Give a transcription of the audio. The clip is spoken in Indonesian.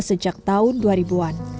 sejak tahun dua ribu an